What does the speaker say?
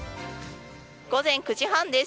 午前９時半です。